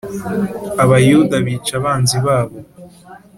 Abayuda bica abanzi babo